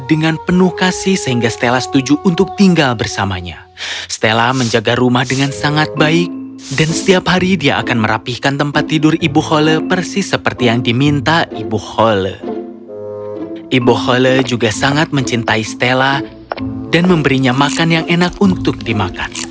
ibu hole juga sangat mencintai stella dan memberinya makan yang enak untuk dimakan